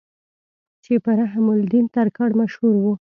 چې پۀ رحم الدين ترکاڼ مشهور وو